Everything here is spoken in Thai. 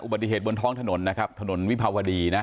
อุบัติเหตุบนท้องถนนนะครับถนนวิภาวดีนะ